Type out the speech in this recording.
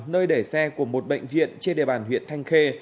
nơi để xe của một bệnh viện trên địa bàn huyện thanh khê